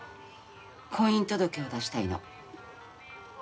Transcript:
婚姻届を出したいの。